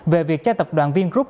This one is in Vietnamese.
về việc cho tập đoàn vingroup